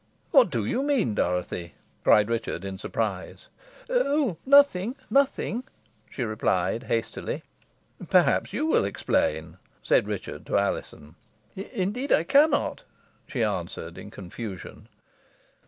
"What do you mean, Dorothy?" cried Richard, in surprise. "Oh, nothing nothing," she replied, hastily. "Perhaps you will explain," said Richard to Alizon. "Indeed I cannot," she answered in confusion.